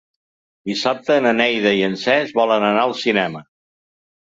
Dissabte na Neida i en Cesc volen anar al cinema.